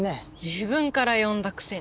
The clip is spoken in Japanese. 自分から呼んだくせに。